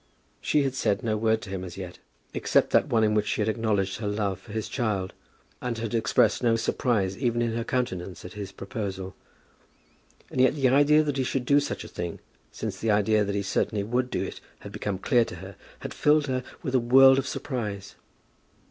She had said no word to him as yet, except that one in which she had acknowledged her love for his child, and had expressed no surprise, even in her countenance, at his proposal. And yet the idea that he should do such a thing, since the idea that he certainly would do it had become clear to her, had filled her with a world of surprise.